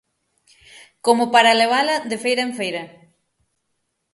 _Como para levala de feira en feira...